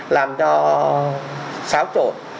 làm cho sáo trộn